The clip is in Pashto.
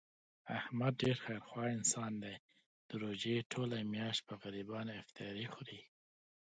احمد ډېر خیر خوا انسان دی، د روژې ټوله میاشت په غریبانو افطاري خوري.